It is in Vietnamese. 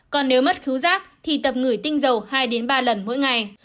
còn nếu mất khứu rác thì tập ngửi tinh dầu hai ba lần mỗi ngày